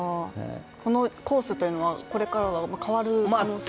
このコースというのはこれから変わる可能性というのは？